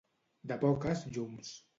De poques llums.